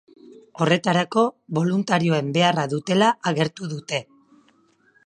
Horretarako, boluntarioen beharra dutela agertu dute.